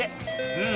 うん！